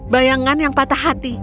bayangan yang patah hati